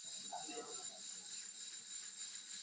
گاڑیوں میں شہر میں سفر کو تبدیل کرنے کی صلاحیت ہے